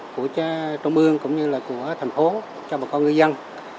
của trung ương cũng như là của thành phố cho bà con ngư dân